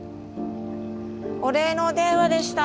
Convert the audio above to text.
お礼のお電話でした。